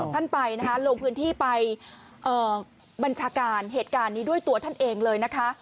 ท่านไปนะคะลงพื้นที่ไปบัญชาการเหตุการณ์นี้ด้วยตัวท่านเองเลยนะคะ